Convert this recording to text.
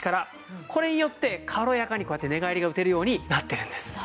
これによって軽やかにこうやって寝返りがうてるようになってるんです。